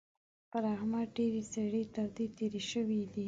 پر احمد ډېرې سړې تودې تېرې شوې دي.